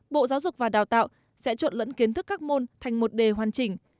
bộ giáo dục và đào tạo sẽ trộn lẫn kiến thức các môn thành một đề hoàn chỉnh